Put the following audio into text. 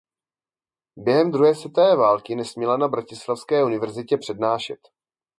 Během druhé světové války nesměla na bratislavské univerzitě přednášet.